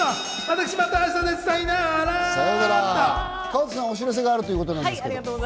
私は川田さん、お知らせがあるということですけど。